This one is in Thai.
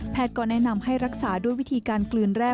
ก็แนะนำให้รักษาด้วยวิธีการกลืนแร่